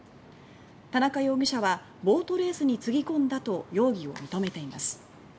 田中容疑者はボートレースにつぎ込んだと容疑を認めています。